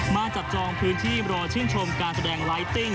มาจับจองพื้นที่รอชื่นชมการแสดงไลติ้ง